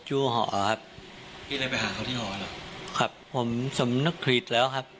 จะไปไล่กอดเขาแล้วนะ